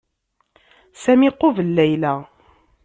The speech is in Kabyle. Sami iqubel Layla.